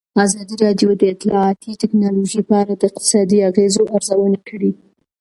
ازادي راډیو د اطلاعاتی تکنالوژي په اړه د اقتصادي اغېزو ارزونه کړې.